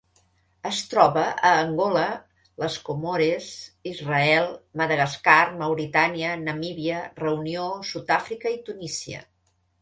Es troba a Angola, les Comores, Israel, Madagascar, Mauritània, Namíbia, Reunió, Sud-àfrica i Tunísia.